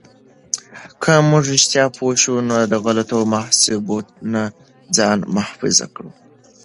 که موږ رښتیا پوه شو، نو د غلطو محاسبو نه ځان محفوظ کړو.